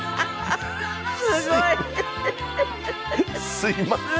すいません。